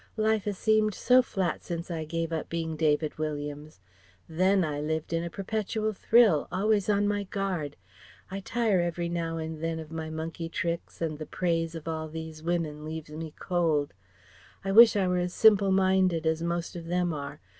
Life has seemed so flat since I gave up being David Williams. Then I lived in a perpetual thrill, always on my guard. I tire every now and then of my monkey tricks, and the praise of all these women leaves me cold. I wish I were as simple minded as most of them are.